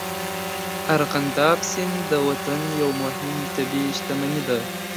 ارغنداب سیند د وطن یو مهم طبیعي شتمني ده.